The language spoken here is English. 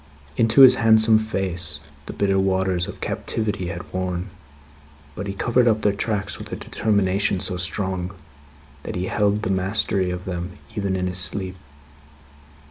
Into his handsome face, the bitter waters of captivity had worn; but, he covered up their tracks with a determination so strong, that he held the mastery of them even in his sleep.